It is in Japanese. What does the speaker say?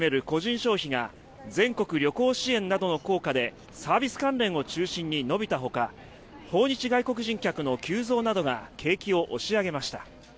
消費が全国旅行支援などの効果でサービス関連を中心に伸びたほか訪日外国人客の急増などが景気を押し上げました。